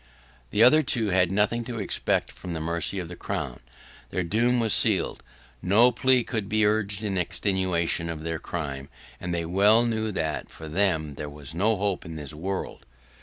The other two had nothing to expect from the mercy of the crown; their doom was sealed; no plea could be urged in extenuation of their crime, and they well knew that for them there was no hope in this world.